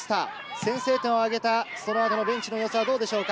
先制点を挙げたベンチの様子はどうでしょうか？